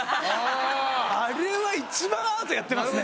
あれは一番アートやってますね。